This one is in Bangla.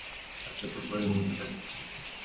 তাকে তো পরীর মতো দেখাচ্ছে।